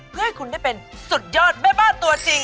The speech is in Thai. เพื่อให้คุณได้เป็นสุดยอดแม่บ้านตัวจริง